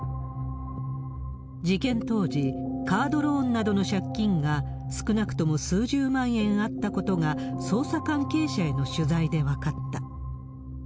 事件当時、カードローンなどの借金が少なくとも数十万円あったことが、捜査関係者への取材で分かった。